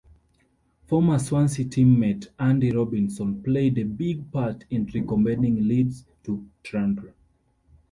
Former Swansea teammate Andy Robinson played a big part in recommending Leeds to Trundle.